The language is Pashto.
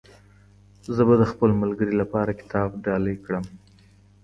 زه به د خپل ملګري لپاره کتاب ډالۍ کړم.